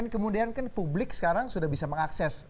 kemudian kan publik sekarang sudah bisa mengakses